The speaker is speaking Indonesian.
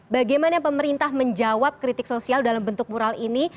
bagaimana pemerintah menjawab kritik sosial dalam bentuk mural ini